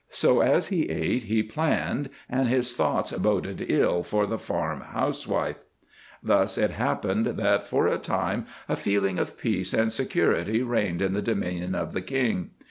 So as he ate, he planned, and his thoughts boded ill for the farm housewife. Thus it happened that for a time a feeling of peace and security reigned in the dominion of the king.